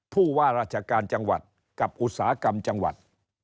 ผู้ว่าราชการจังหวัดกับอุตสาหกรรมจังหวัด